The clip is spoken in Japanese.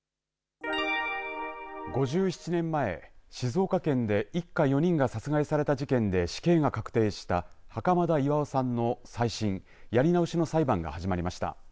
５７年前、静岡県で一家４人が殺害された事件で死刑が確定した袴田巌さんの再審、やり直しの裁判が始まりました。